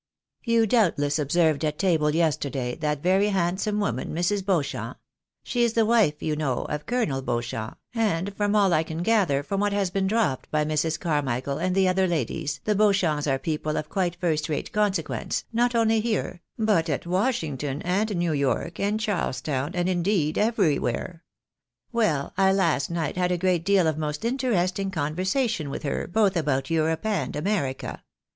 " You doubtless observed at table yesterday that very hand some woman, Mrs. Beauchamp ; she is the wife, you know, of Colonel Beauchamp, and from all I can gather from what has been dropped by Mrs. Carmichael and the other ladies, the Beauchamps are people of quite first rate consequence, not only here, but at Washington, and New York, and Charlestown, and indeed every where. Well, I last night had a great deal of most interesting conversation with her, both about Europe and America.